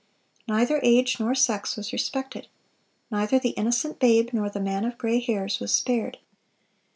Neither age nor sex was respected. Neither the innocent babe nor the man of gray hairs was spared.